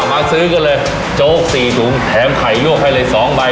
มาซื้อกันเลยโจ๊ก๔ถุงแถมไข่ลวกให้เลย๒ใบ